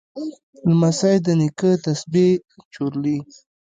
لمسی د نیکه تسبیح چورلي.